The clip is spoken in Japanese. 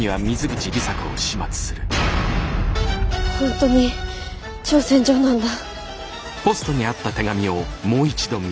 本当に挑戦状なんだ。